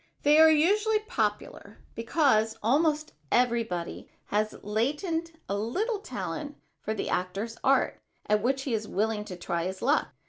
They are usually popular because almost everybody has latent a little talent for the actor's art at which he is willing to try his luck.